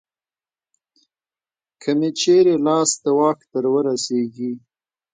که مې چېرې لاس د واک درورسېږي